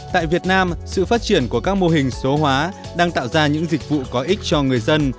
tại việt nam sự phát triển của các mô hình số hóa đang tạo ra những dịch vụ có ích cho người dân